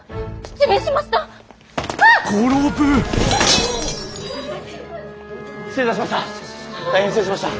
失礼いたしました。